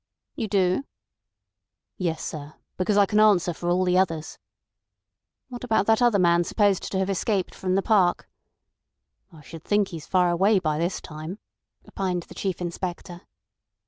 "You do?" "Yes, sir; because I can answer for all the others." "What about that other man supposed to have escaped from the park?" "I should think he's far away by this time," opined the Chief Inspector.